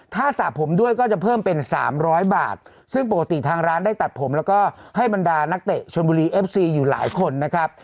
ถ้าสระผมด้วยก็จะเพิ่มเป็นสามร้อยบาทซึ่งปกติทางร้านได้ตัดผมแล้วก็ให้บรรดานักเตะชนบุรีเอฟซีอยู่หลายคนนะครับ